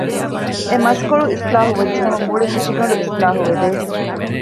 އެ މަސްކޮޅު އިސްލާޙު ވެއްޖެ ނަމަ މުޅި ހަށިގަނޑު އިސްލާޙު ވެދޭ